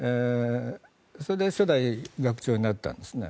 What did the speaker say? それで初代学長になったんですね。